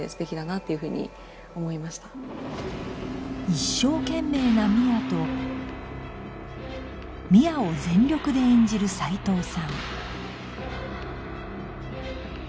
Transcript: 一生懸命な深愛と深愛を全力で演じる齊藤さん